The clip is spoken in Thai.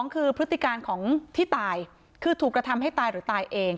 คือพฤติการของที่ตายคือถูกกระทำให้ตายหรือตายเอง